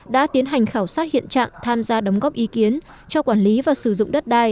đã tiến hành khảo sát hiện trạng tham gia đóng góp ý kiến cho quản lý và sử dụng đất đai